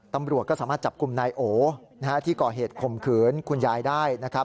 ตำรวจก็สามารถจับกลุ่มนายโอที่ก่อเหตุข่มขืนคุณยายได้นะครับ